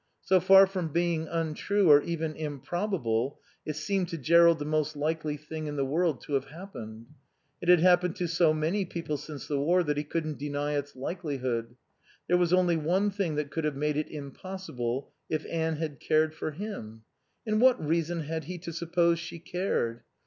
So far from being untrue or even improbable, it seemed to Jerrold the most likely thing in the world to have happened. It had happened to so many people since the war that he couldn't deny its likelihood. There was only one thing that could have made it impossible if Anne had cared for him. And what reason had he to suppose she cared?